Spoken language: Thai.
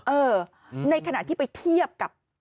เออในขณะที่ไปเทียบกับ